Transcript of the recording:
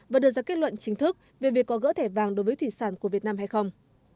và đưa ra kết luận chính thức về việc có gỡ thẻ vàng đối với thủy sản của việt nam hay không